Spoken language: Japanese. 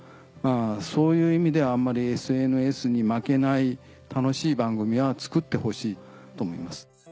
そういう意味であんまりＳＮＳに負けない楽しい番組を作ってほしいと思います。